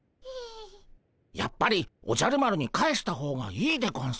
やっぱりおじゃる丸に返した方がいいでゴンス。